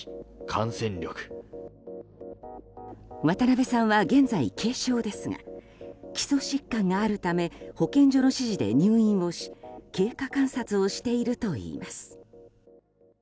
渡辺さんは現在、軽症ですが基礎疾患があるため保健所の指示で入院をし経過観察をしているといいます。